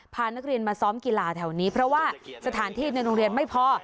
พานักเรียนมาซ้อมกีฬาแถวนี้เพราะว่าสถานที่ในโรงเรียนไม่พอ